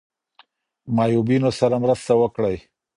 معیوبینو سره مرسته وکړئ.